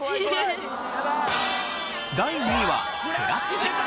第２位はクラッチ。